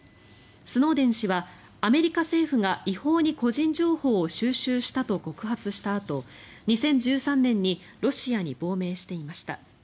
スノーデン氏はアメリカ政府が違法に個人情報を収集したと告発したあと２０１３年にロシアに亡命していました。